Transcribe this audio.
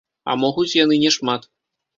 А могуць яны не шмат.